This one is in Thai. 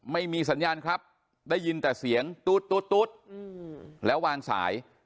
ไม่มีสัญญาณครับได้ยินแต่เสียงตู๊ดแล้ววางสาย